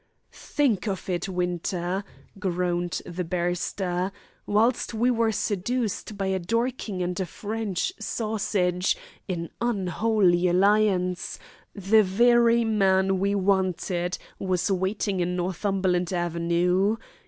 "Think of it, Winter," groaned the barrister. "Whilst we were seduced by a dorking and a French sausage an unholy alliance the very man we wanted was waiting in Northumberland Avenue.